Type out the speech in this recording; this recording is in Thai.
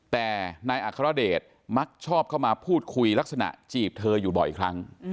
แต่นายอัครเดชมักชอบเข้ามาพูดคุยลักษณะจีบเธออยู่บ่อยครั้ง